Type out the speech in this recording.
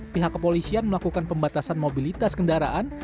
pihak kepolisian melakukan pembatasan mobilitas kendaraan